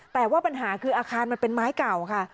แต่ว่าปัญหาคืออาคารมันเป็นไม้เก่าค่ะ